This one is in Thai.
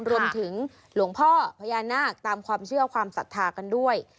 รวมถึงหลวงพ่อพญานาคตามความเชื่อความศรัทธากันด้วย